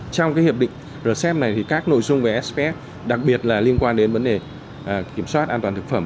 trong hiệp định rcep này thì các nội dung về sps đặc biệt là liên quan đến vấn đề kiểm soát an toàn thực phẩm